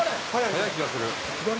「速い気がする」